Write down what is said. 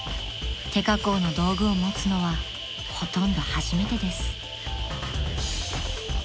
［手加工の道具を持つのはほとんど初めてです］